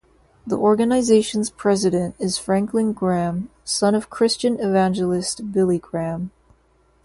The organization's president is Franklin Graham, son of Christian evangelist Billy Graham.